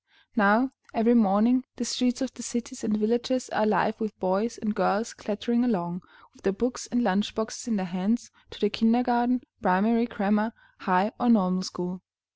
Now, every morning, the streets of the cities and villages are alive with boys and girls clattering along, with their books and lunch boxes in their hands, to the kindergarten, primary, grammar, high, or normal school.